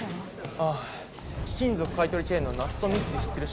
ああ貴金属買い取りチェーンのナツトミって知ってるっしょ？